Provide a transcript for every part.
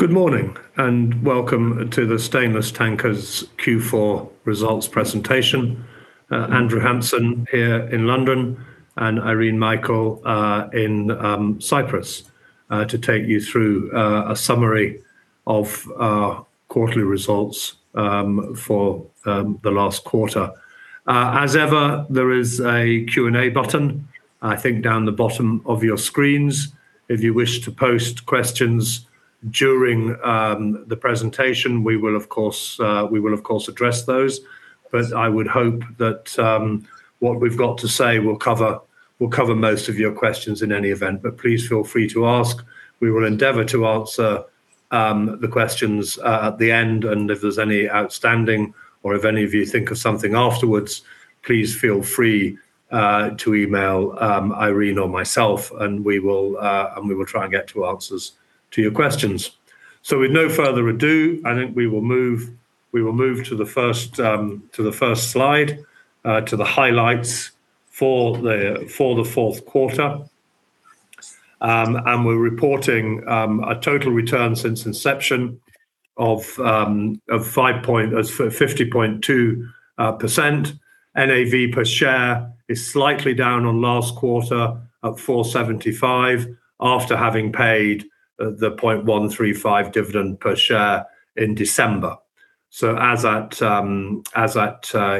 Good morning, and welcome to the Stainless Tankers Q4 results presentation. Andrew Hampson here in London, and Irene Michael in Cyprus to take you through a summary of our quarterly results for the last quarter. As ever, there is a Q&A button, I think, down the bottom of your screens. If you wish to post questions during the presentation, we will, of course, address those, but I would hope that what we've got to say will cover most of your questions in any event. But please feel free to ask. We will endeavor to answer the questions at the end, and if there's any outstanding or if any of you think of something afterwards, please feel free to email Irene or myself, and we will try and get to answers to your questions. So with no further ado, I think we will move to the first slide to the highlights for the fourth quarter. And we're reporting a total return since inception of 50.2%. NAV per share is slightly down on last quarter at $4.75, after having paid the $0.135 dividend per share in December. So as at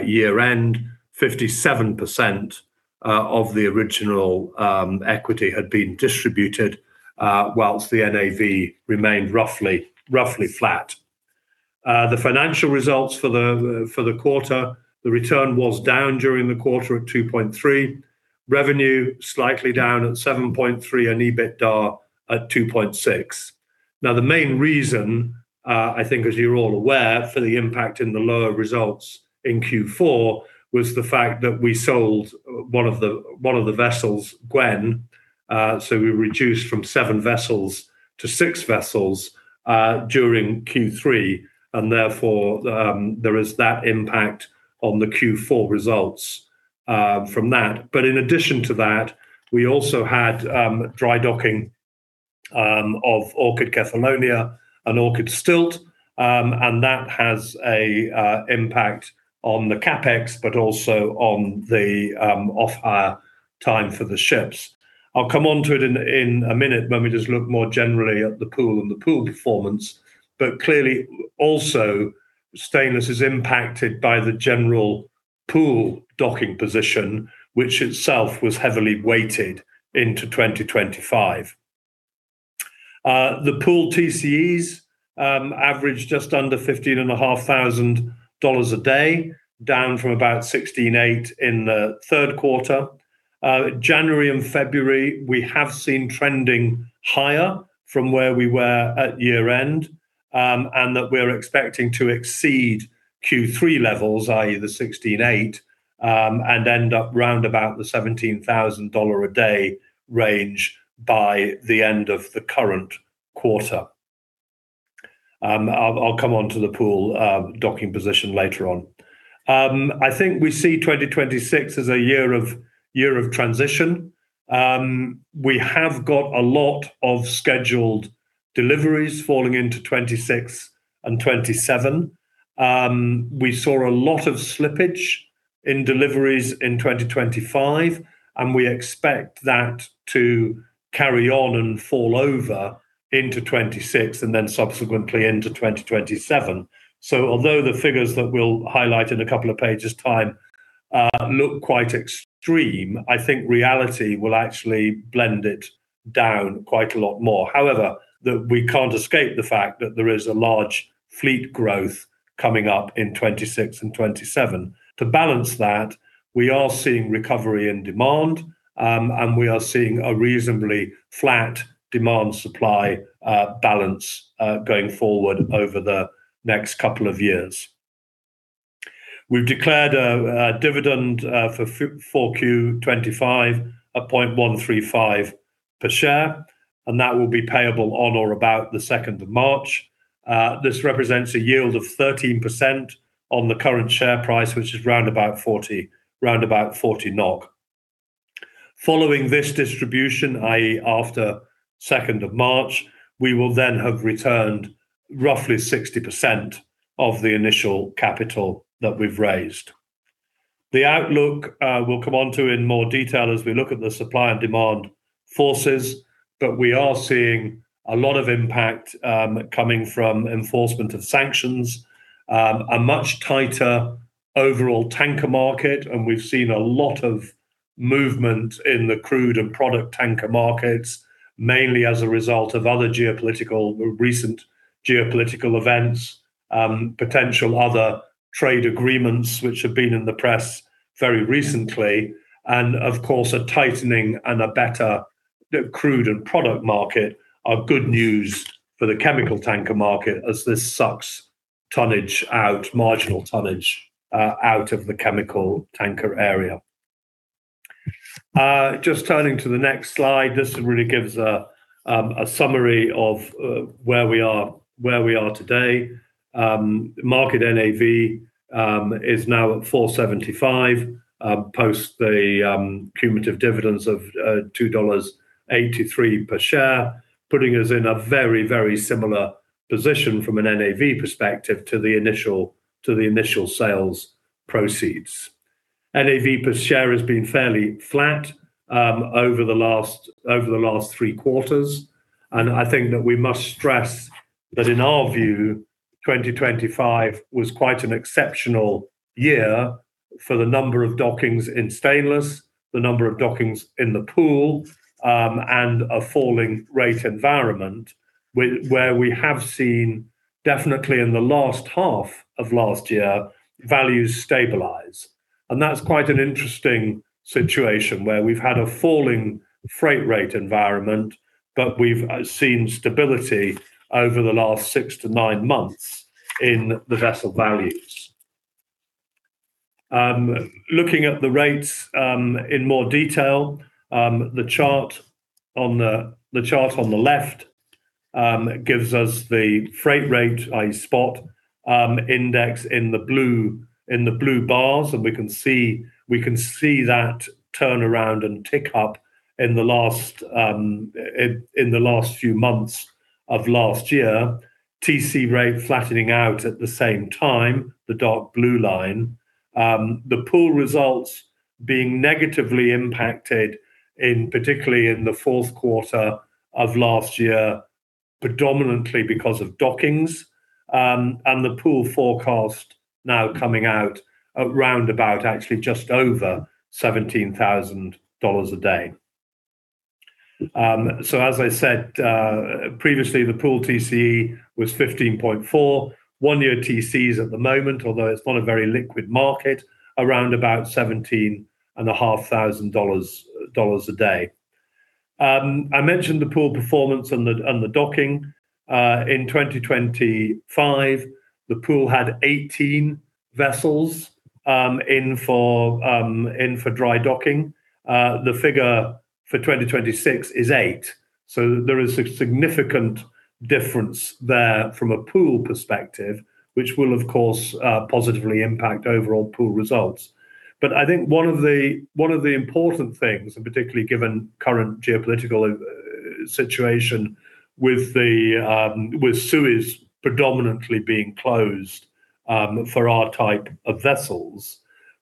year-end, 57% of the original equity had been distributed while the NAV remained roughly flat. The financial results for the quarter, the return was down during the quarter at $2.3, revenue slightly down at $7.3, and EBITDA at $2.6. Now, the main reason, I think, as you're all aware, for the impact in the lower results in Q4, was the fact that we sold one of the vessels, Gwen. So we reduced from seven vessels to six vessels during Q3, and therefore, there is that impact on the Q4 results from that. But in addition to that, we also had dry docking of Orchid Kefalonia and Orchid Sylt, and that has a impact on the CapEx, but also on the off hire time for the ships. I'll come onto it in a minute when we just look more generally at the pool and the pool performance, but clearly, also, Stainless is impacted by the general pool docking position, which itself was heavily weighted into 2025. The pool TCEs averaged just under $15,500 a day, down from about $16,800 in the third quarter. January and February, we have seen trending higher from where we were at year-end, and that we're expecting to exceed Q3 levels, i.e., the 16,800, and end up round about the $17,000 a day range by the end of the current quarter. I'll come onto the pool docking position later on. I think we see 2026 as a year of transition. We have got a lot of scheduled deliveries falling into 2026 and 2027. We saw a lot of slippage in deliveries in 2025, and we expect that to carry on and fall over into 2026 and then subsequently into 2027. So although the figures that we'll highlight in a couple of pages time look quite extreme, I think reality will actually blend it down quite a lot more. However, we can't escape the fact that there is a large fleet growth coming up in 2026 and 2027. To balance that, we are seeing recovery in demand, and we are seeing a reasonably flat demand-supply balance, going forward over the next couple of years. We've declared a dividend for Q4 2025, $0.135 per share, and that will be payable on or about the 2nd of March. This represents a yield of 13% on the current share price, which is round about 40, round about 40 NOK. Following this distribution, i.e., after 2nd of March, we will then have returned roughly 60% of the initial capital that we've raised. The outlook, we'll come on to in more detail as we look at the supply and demand forces, but we are seeing a lot of impact, coming from enforcement of sanctions, a much tighter overall tanker market, and we've seen a lot of movement in the crude and product tanker markets, mainly as a result of other geopolitical, recent geopolitical events, potential other trade agreements which have been in the press very recently. And of course, a tightening and a better crude and product market are good news for the chemical tanker market as this sucks tonnage out, marginal tonnage, out of the chemical tanker area. Just turning to the next slide, this really gives a a summary of, where we are, where we are today. Market NAV is now at $4.75, post the cumulative dividends of $2.83 per share, putting us in a very, very similar position from an NAV perspective to the initial sales proceeds. NAV per share has been fairly flat over the last 3 quarters, and I think that we must stress that in our view, 2025 was quite an exceptional year for the number of dockings in stainless, the number of dockings in the pool, and a falling rate environment, where we have seen definitely in the last half of last year, values stabilize. And that's quite an interesting situation, where we've had a falling freight rate environment, but we've seen stability over the last 6-9 months in the vessel values. Looking at the rates, in more detail, the chart on the left gives us the freight rate, i.e., spot index in the blue bars, and we can see that turnaround and tick up in the last few months of last year. TC rate flattening out at the same time, the dark blue line. The pool results being negatively impacted particularly in the fourth quarter of last year, predominantly because of dockings. And the pool forecast now coming out at round about actually just over $17,000 a day. So as I said, previously, the pool TCE was $15.4. One-year TCEs at the moment, although it's not a very liquid market, around about $17,500 a day. I mentioned the pool performance and the docking. In 2025, the pool had 18 vessels in for dry docking. The figure for 2026 is 8, so there is a significant difference there from a pool perspective, which will, of course, positively impact overall pool results. But I think one of the important things, and particularly given current geopolitical situation with the Suez predominantly being closed for our type of vessels,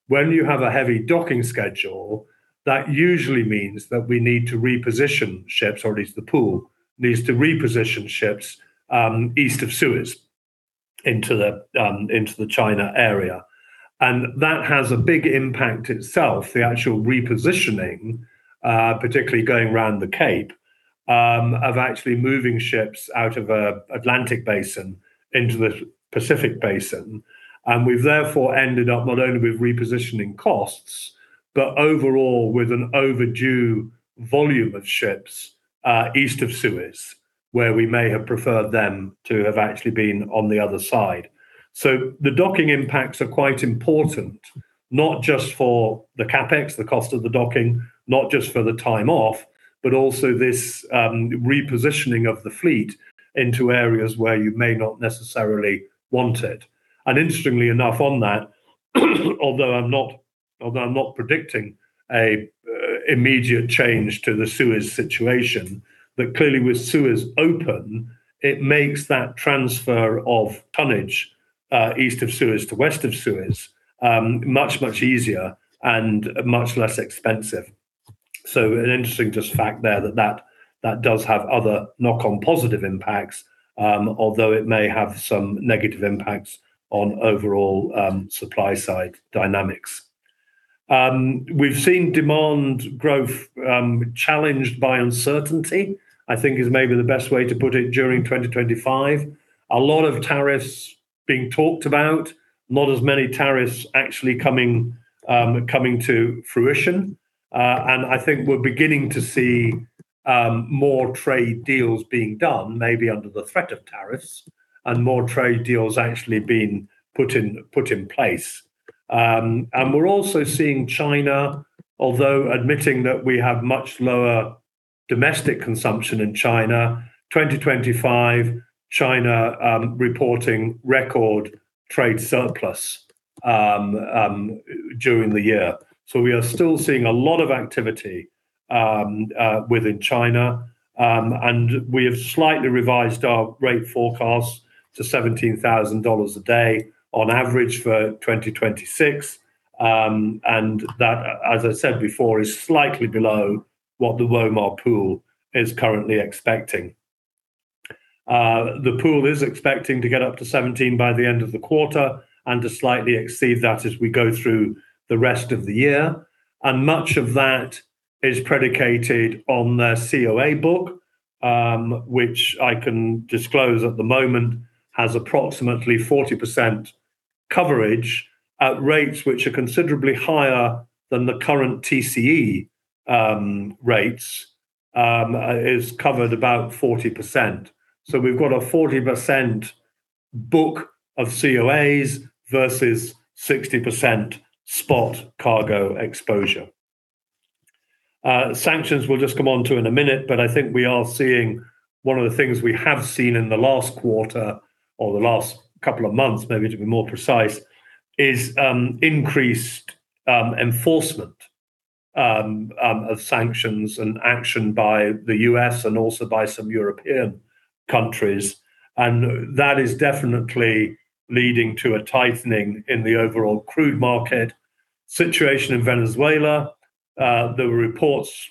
when you have a heavy docking schedule, that usually means that we need to reposition ships, or at least the pool needs to reposition ships east of Suez into the China area. That has a big impact itself, the actual repositioning, particularly going round the Cape, of actually moving ships out of Atlantic Basin into the Pacific Basin. We've therefore ended up not only with repositioning costs, but overall with an overdue volume of ships east of Suez, where we may have preferred them to have actually been on the other side. The docking impacts are quite important, not just for the CapEx, the cost of the docking, not just for the time off, but also this repositioning of the fleet into areas where you may not necessarily want it. Interestingly enough on that, although I'm not predicting an immediate change to the Suez situation, that clearly with Suez open, it makes that transfer of tonnage east of Suez to west of Suez much, much easier and much less expensive. So an interesting just fact there that does have other knock-on positive impacts, although it may have some negative impacts on overall supply side dynamics. We've seen demand growth challenged by uncertainty, I think is maybe the best way to put it during 2025. A lot of tariffs being talked about, not as many tariffs actually coming to fruition. And I think we're beginning to see more trade deals being done, maybe under the threat of tariffs, and more trade deals actually being put in place. And we're also seeing China, although admitting that we have much lower domestic consumption in China, 2025, China, reporting record trade surplus, during the year. So we are still seeing a lot of activity, within China, and we have slightly revised our rate forecast to $17,000 a day on average for 2026. And that, as I said before, is slightly below what the Womar Pool is currently expecting. The pool is expecting to get up to $17,000 by the end of the quarter and to slightly exceed that as we go through the rest of the year. And much of that is predicated on their COA book, which I can disclose at the moment, has approximately 40% coverage at rates which are considerably higher than the current TCE rates, is covered about 40%. So we've got a 40% book of COAs versus 60% spot cargo exposure. Sanctions, we'll just come on to in a minute, but I think we are seeing one of the things we have seen in the last quarter or the last couple of months, maybe to be more precise, is increased enforcement of sanctions and action by the US and also by some European countries, and that is definitely leading to a tightening in the overall crude market situation in Venezuela. There were reports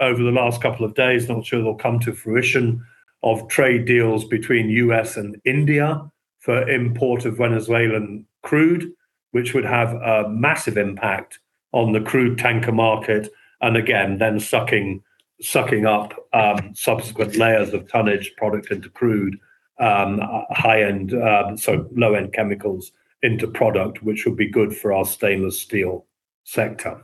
over the last couple of days, not sure they'll come to fruition, of trade deals between US and India for import of Venezuelan crude, which would have a massive impact on the crude tanker market, and again, then sucking up subsequent layers of tonnage product into crude, high-end, so low-end chemicals into product, which would be good for our stainless steel sector.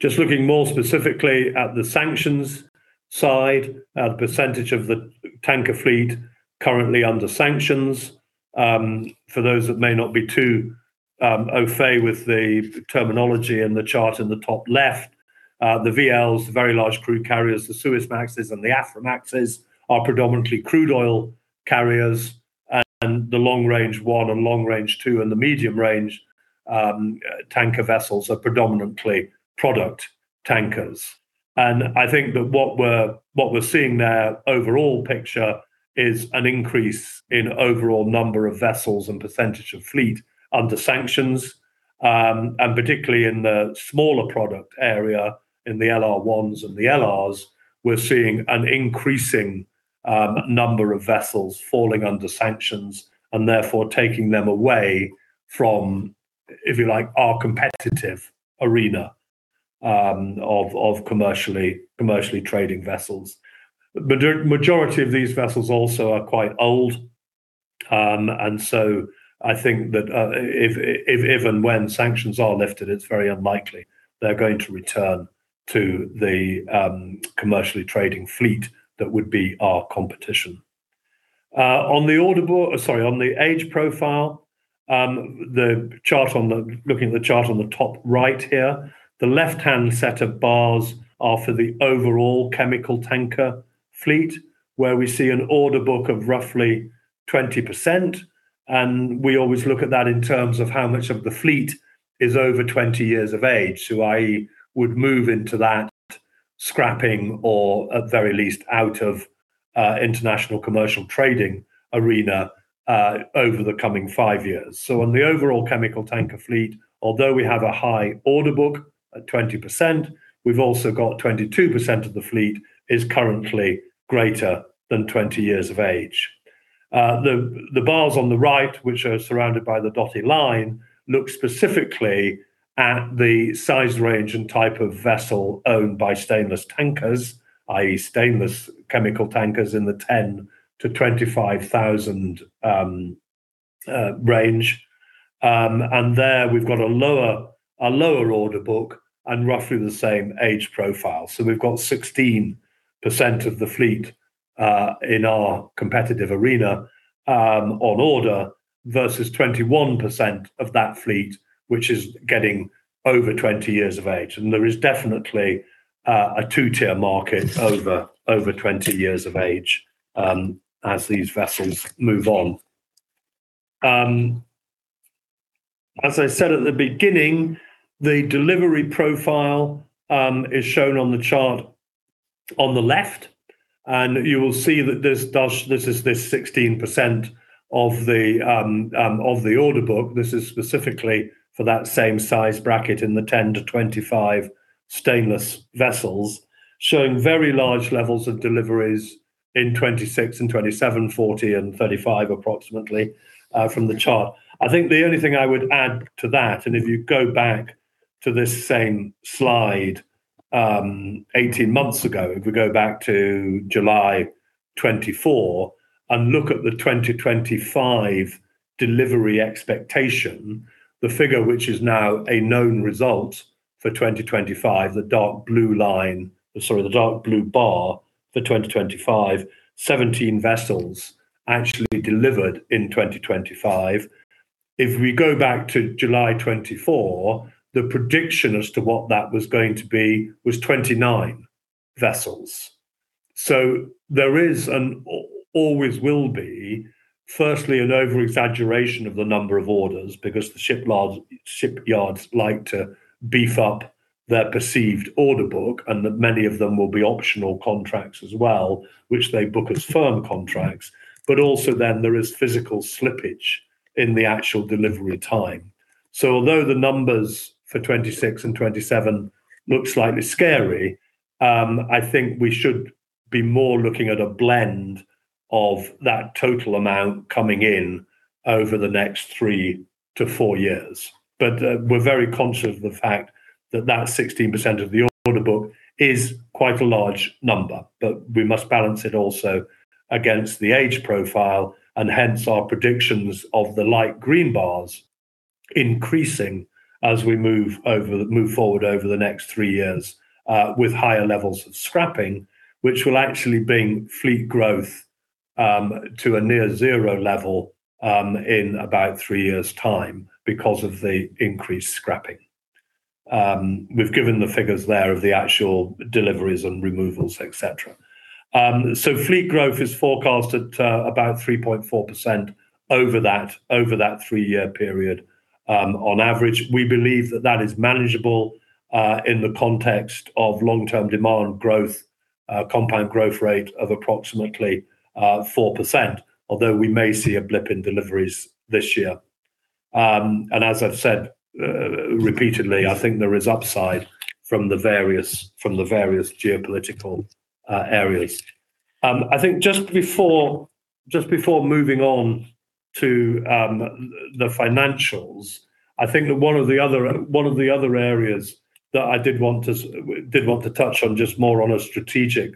Just looking more specifically at the sanctions side, at percentage of the tanker fleet currently under sanctions. For those that may not be too au fait with the terminology in the chart in the top left, the VLs, the Very Large Crude Carriers, the Suezmaxes, and the Aframaxes are predominantly crude oil carriers, and the long range one and long range two and the medium range tanker vessels are predominantly product tankers. I think that what we're seeing there, overall picture, is an increase in overall number of vessels and percentage of fleet under sanctions, and particularly in the smaller product area, in the LR1s and the LRs, we're seeing an increasing number of vessels falling under sanctions and therefore taking them away from, if you like, our competitive arena of commercially trading vessels. But the majority of these vessels also are quite old, and so I think that if and when sanctions are lifted, it's very unlikely they're going to return to the commercially trading fleet that would be our competition. On the age profile, the chart on the looking at the chart on the top right here, the left-hand set of bars are for the overall chemical tanker fleet, where we see an order book of roughly 20%, and we always look at that in terms of how much of the fleet is over 20 years of age. So I would move into that scrapping or at very least, out of international commercial trading arena, over the coming five years. So on the overall chemical tanker fleet, although we have a high order book at 20%, we've also got 22% of the fleet is currently greater than 20 years of age. The bars on the right, which are surrounded by the dotted line, look specifically at the size range and type of vessel owned by Stainless Tankers, i.e., stainless chemical tankers in the 10-25,000 range. And there, we've got a lower order book and roughly the same age profile. So we've got 16% of the fleet in our competitive arena on order, versus 21% of that fleet, which is getting over 20 years of age. And there is definitely a two-tier market over 20 years of age as these vessels move on. As I said at the beginning, the delivery profile is shown on the chart on the left, and you will see that this is the 16% of the order book. This is specifically for that same size bracket in the 10-25 stainless vessels, showing very large levels of deliveries in 2026 and 2027, 40 and 35, approximately, from the chart. I think the only thing I would add to that, and if you go back to this same slide, 18 months ago, if we go back to July 2024 and look at the 2025 delivery expectation, the figure which is now a known result for 2025, the dark blue line, sorry, the dark blue bar for 2025, 17 vessels actually delivered in 2025. If we go back to July 2024, the prediction as to what that was going to be was 29 vessels. So there is, and always will be, firstly, an over-exaggeration of the number of orders, because the shipyards, shipyards like to beef up their perceived order book, and that many of them will be optional contracts as well, which they book as firm contracts, but also then there is physical slippage in the actual delivery time. So although the numbers for 2026 and 2027 look slightly scary, I think we should be more looking at a blend of that total amount coming in over the next 3-4 years. But we're very conscious of the fact that that 16% of the order book is quite a large number, but we must balance it also against the age profile, and hence our predictions of the light green bars increasing as we move forward over the next three years with higher levels of scrapping, which will actually bring fleet growth to a near zero level in about three years' time because of the increased scrapping. We've given the figures there of the actual deliveries and removals, et cetera. So fleet growth is forecasted to about 3.4% over that three-year period. On average, we believe that that is manageable in the context of long-term demand growth, compound growth rate of approximately 4%, although we may see a blip in deliveries this year. And as I've said, repeatedly, I think there is upside from the various geopolitical areas. I think just before moving on to the financials, I think that one of the other areas that I did want to touch on, just more on a strategic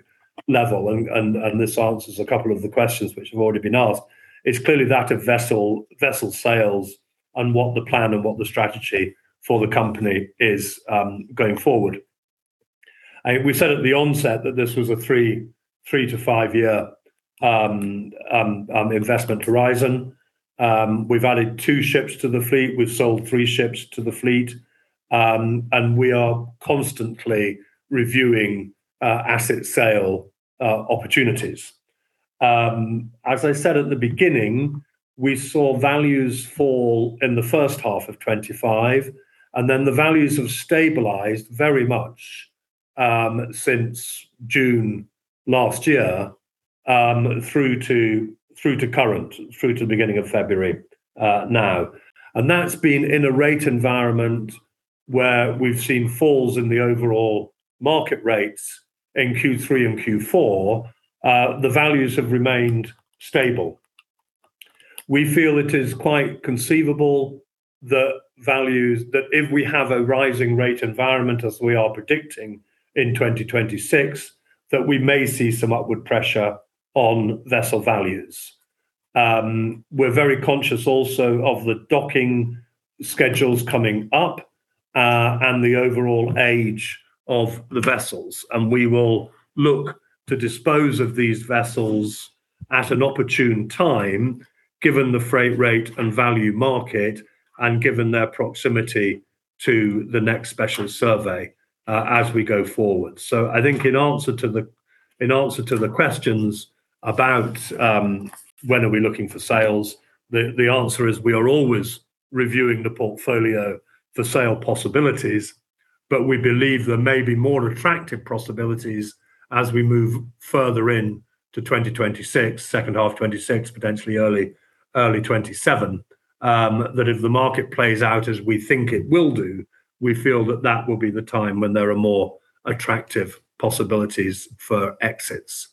level, and this answers a couple of the questions which have already been asked, is clearly that of vessel sales and what the plan and what the strategy for the company is, going forward. We said at the onset that this was a 3-5 year investment horizon. We've added two ships to the fleet, we've sold three ships to the fleet, and we are constantly reviewing asset sale opportunities. As I said at the beginning, we saw values fall in the first half of 2025, and then the values have stabilized very much since June last year through to current, through to the beginning of February now. That's been in a rate environment where we've seen falls in the overall market rates in Q3 and Q4, the values have remained stable. We feel it is quite conceivable that values... That if we have a rising rate environment, as we are predicting in 2026, that we may see some upward pressure on vessel values. We're very conscious also of the docking schedules coming up, and the overall age of the vessels, and we will look to dispose of these vessels at an opportune time, given the freight rate and value market, and given their proximity to the next Special Survey, as we go forward. So I think in answer to the, in answer to the questions about, when are we looking for sales, the, the answer is we are always reviewing the portfolio for sale possibilities, but we believe there may be more attractive possibilities as we move further into 2026, second half 2026, potentially early, early 2027. That if the market plays out as we think it will do, we feel that that will be the time when there are more attractive possibilities for exits.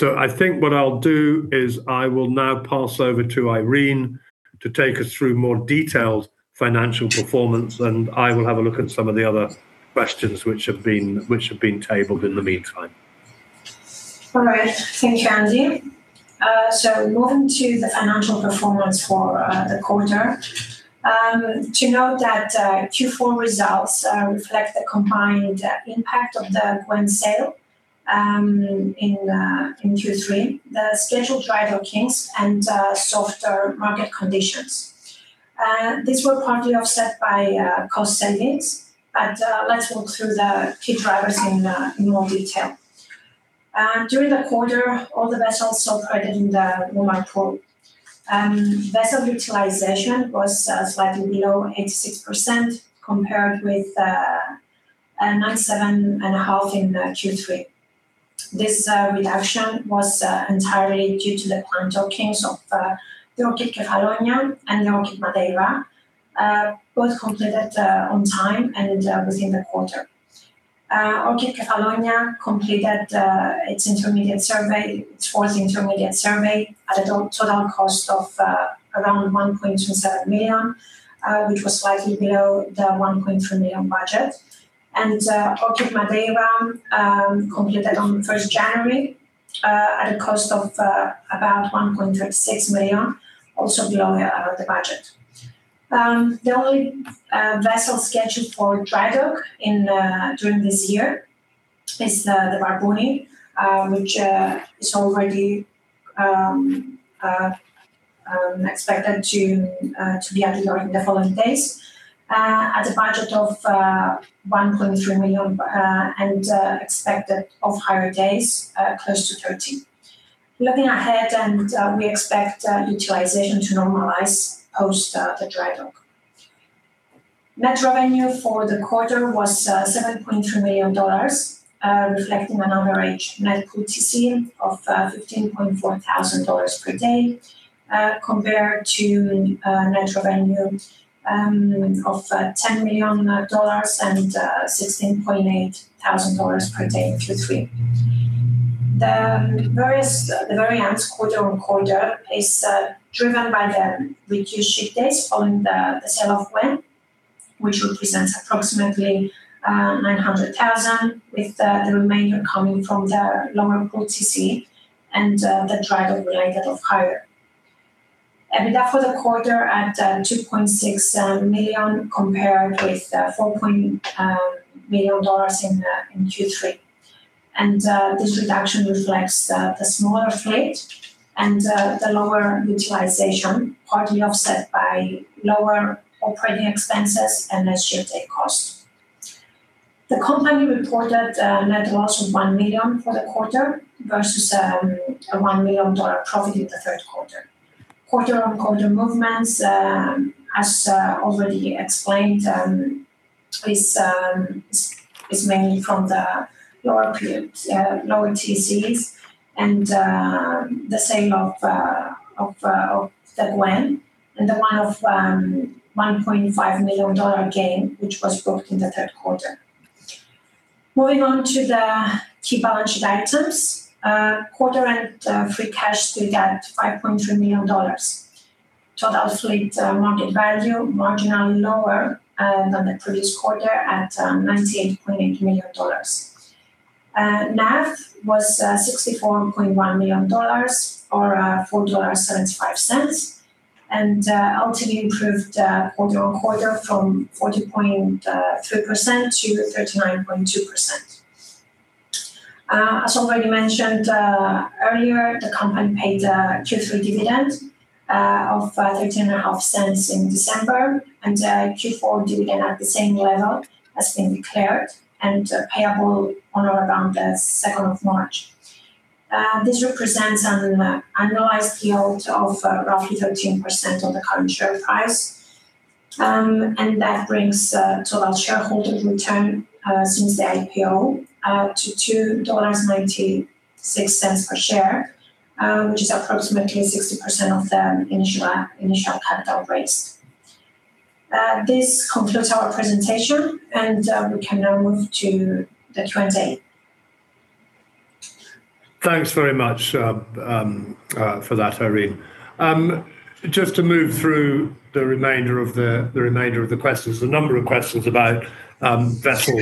I think what I'll do is I will now pass over to Irene to take us through more detailed financial performance, and I will have a look at some of the other questions which have been tabled in the meantime. All right. Thank you, Andy. So moving to the financial performance for the quarter. To note that Q4 results reflect the combined impact of the Gwen sale in Q3, the scheduled dry dockings, and softer market conditions. These were partly offset by cost savings, but let's walk through the key drivers in more detail. During the quarter, all the vessels operated in the normal pool. Vessel utilization was slightly below 86%, compared with 97.5 in Q3. This reduction was entirely due to the planned dockings of the Orchid Kefalonia and the Orchid Madeira, both completed on time and within the quarter. Orchid Kefalonia completed its intermediate survey, its fourth intermediate survey, at a total cost of around $1.27 million, which was slightly below the $1.3 million budget. Orchid Madeira completed on the first January at a cost of about $1.36 million, also below the budget. The only vessel scheduled for dry dock during this year is the Barbouni, which is already expected to be out of dock in the following days at a budget of $1.3 million and expected of hire days close to 30. Looking ahead, we expect utilization to normalize post the dry dock. Net revenue for the quarter was $7.3 million, reflecting an average net TCE of $15,400 per day, compared to net revenue of $10 million and $16,800 per day in Q3. The variance quarter-over-quarter is driven by the reduced ship days following the sale of Gwen, which represents approximately $900,000, with the remainder coming from the lower TCE and the dry dock-related off-hire. EBITDA for the quarter at $2.6 million, compared with $4 million in Q3. And this reduction reflects the smaller fleet and the lower utilization, partly offset by lower operating expenses and less ship day cost.... The company reported a net loss of $1 million for the quarter, versus a $1 million profit in the third quarter. Quarter-on-quarter movements, as already explained, is mainly from the lower period, lower TC's and the sale of the Gwen and the $1.5 million gain, which was booked in the third quarter. Moving on to the key balance sheet items. Quarter and free cash stood at $5.3 million. Total fleet market value marginally lower than the previous quarter at $98.8 million. NAV was $64.1 million or $4.75, and ultimately improved quarter-on-quarter from 40.3% to 39.2%. As already mentioned earlier, the company paid a Q3 dividend of $0.135 in December, and a Q4 dividend at the same level has been declared and payable on or around the second of March. This represents an annualized yield of roughly 13% on the current share price. That brings total shareholder return since the IPO to $2.96 per share, which is approximately 60% of the initial initial capital raised. This concludes our presentation, and we can now move to the Q&A. Thanks very much for that, Irene. Just to move through the remainder of the questions, there's a number of questions about vessel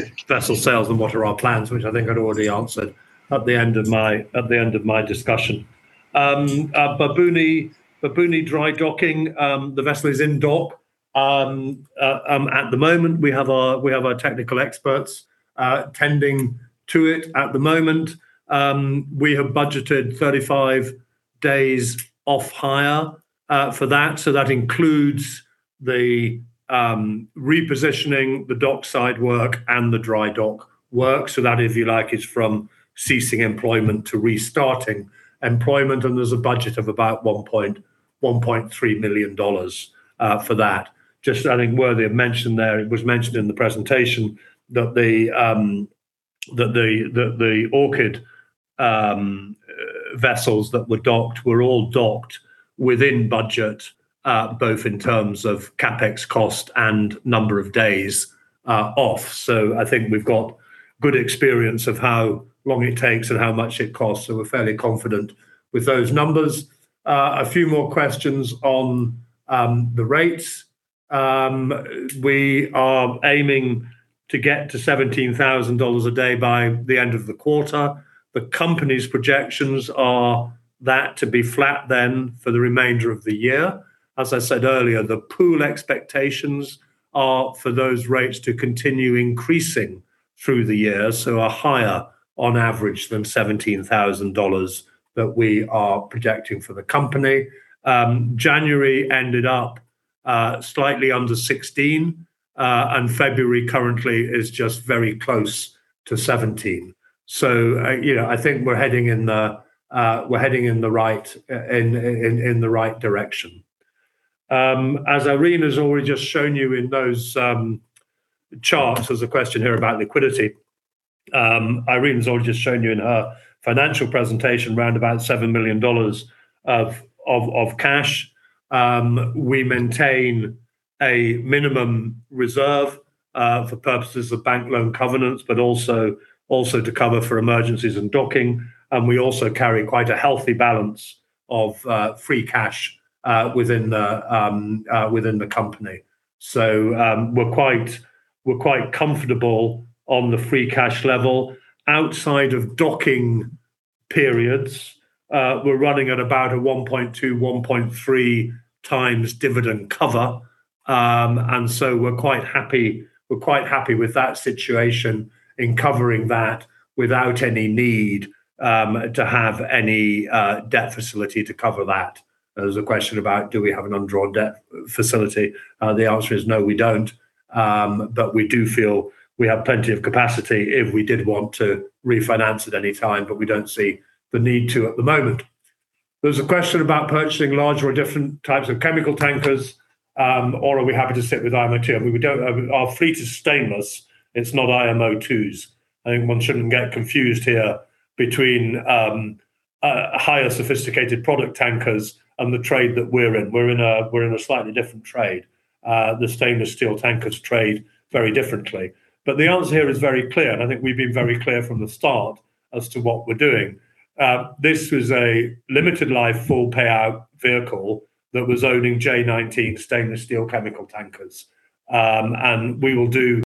sales and what are our plans, which I think I'd already answered at the end of my discussion. Barbouni dry docking, the vessel is in dock at the moment. We have our technical experts tending to it at the moment. We have budgeted 35 days off hire for that. So that includes the repositioning, the dockside work and the dry dock work. So that, if you like, is from ceasing employment to restarting employment, and there's a budget of about $1.3 million for that. Just I think worthy of mention there, it was mentioned in the presentation that the Orchid vessels that were docked were all docked within budget, both in terms of CapEx cost and number of days off. So I think we've got good experience of how long it takes and how much it costs, so we're fairly confident with those numbers. A few more questions on the rates. We are aiming to get to $17,000 a day by the end of the quarter. The company's projections are that to be flat then for the remainder of the year. As I said earlier, the pool expectations are for those rates to continue increasing through the year, so are higher on average than $17,000 that we are projecting for the company. January ended up slightly under 16, and February currently is just very close to 17. So, you know, I think we're heading in the right direction. As Irene has already just shown you in those charts, there's a question here about liquidity. Irene has already just shown you in her financial presentation, round about $7 million of cash. We maintain a minimum reserve for purposes of bank loan covenants, but also, also to cover for emergencies and docking. And we also carry quite a healthy balance of free cash within the company. So, we're quite, we're quite comfortable on the free cash level. Outside of docking periods, we're running at about a 1.2-1.3 times dividend cover. And so we're quite happy, we're quite happy with that situation in covering that without any need to have any debt facility to cover that. There's a question about do we have an undrawn debt facility? The answer is no, we don't, but we do feel we have plenty of capacity if we did want to refinance at any time, but we don't see the need to at the moment. There's a question about purchasing larger or different types of chemical tankers, or are we happy to sit with IMO II? We don't own... Our fleet is stainless. It's not IMO II. I think one shouldn't get confused here between higher sophisticated product tankers and the trade that we're in. We're in a slightly different trade. The stainless steel tankers trade very differently. But the answer here is very clear, and I think we've been very clear from the start as to what we're doing. This was a limited life, full payout vehicle that was owning J19 stainless steel chemical tankers. And we will do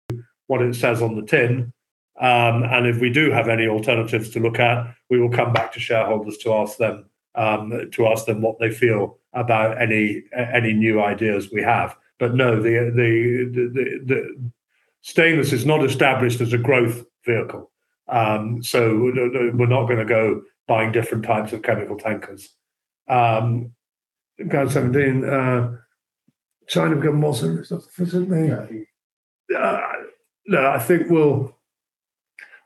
what it says on the tin. And if we do have any alternatives to look at, we will come back to shareholders to ask them to ask them what they feel about any any new ideas we have. But no, the stainless is not established as a growth vehicle, so we're not gonna go buying different types of chemical tankers. Guide seventeen, China become more self-sufficient? No, I think we'll...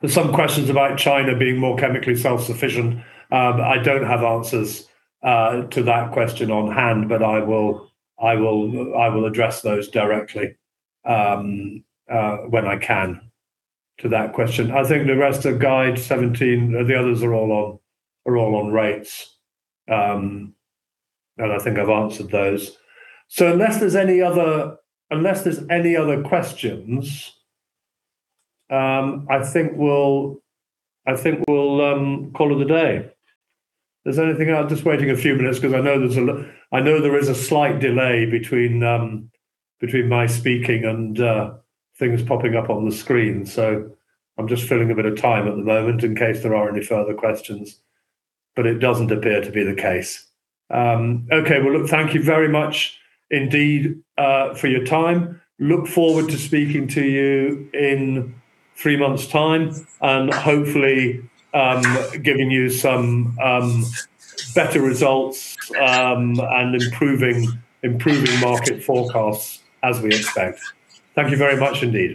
There's some questions about China being more chemically self-sufficient. I don't have answers to that question on hand, but I will address those directly when I can to that question. I think the rest of guide 17, the others are all on rates. I think I've answered those. So unless there's any other questions, I think we'll call it a day. Is there anything else? Just waiting a few minutes, 'cause I know there is a slight delay between my speaking and things popping up on the screen, so I'm just filling a bit of time at the moment in case there are any further questions, but it doesn't appear to be the case. Okay, well, look, thank you very much indeed for your time. Look forward to speaking to you in three months time and hopefully, giving you some better results, and improving market forecasts as we expect. Thank you very much indeed.